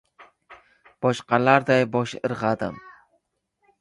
Boshqalarday bosh irg‘adim.